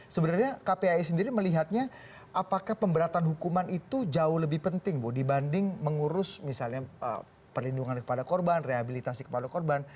sebenarnya kpai sendiri melihatnya apakah pemberatan hukuman itu jauh lebih penting bu dibanding mengurus misalnya perlindungan kepada korban rehabilitasi kepada korban